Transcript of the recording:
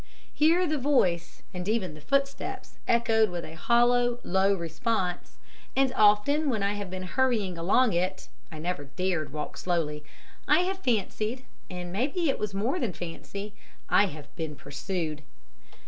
Here the voice and even the footsteps echoed with a hollow, low response, and often when I have been hurrying along it I never dared walk slowly I have fancied and maybe it was more than fancy I have been pursued.